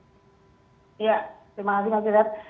ya terima kasih mas yuda